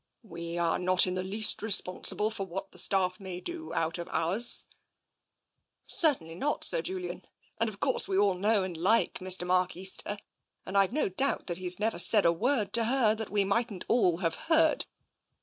"We are not in the least responsible for what the staff may do out of hours." '* Certainly not, Sir Julian. And of course we all know and like Mr. Mark Easter, and I've no doubt that he's never said a word to her that we mightn't all have heard.